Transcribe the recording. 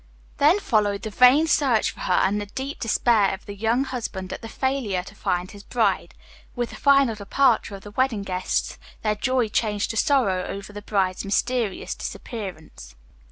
Then followed the vain search for her and the deep despair of the young husband at the failure to find his bride, with the final departure of the wedding guests, their joy changed to sorrow over the bride's mysterious disappearance.